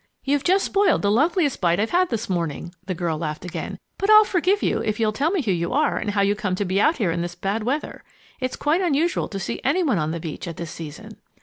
"You just spoiled the loveliest bite I've had this morning," the girl laughed again, "but I'll forgive you if you'll tell me who you are and how you come to be out here in this bad weather. It's quite unusual to see any one on the beach at this season."